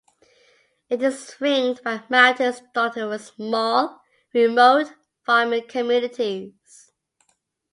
It is ringed by mountains dotted with small, remote farming communities.